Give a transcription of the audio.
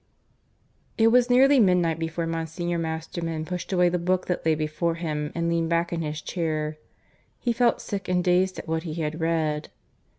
(II) It was nearly midnight before Monsignor Masterman pushed away the book that lay before him and leaned back in his chair. He felt sick and dazed at what he had read.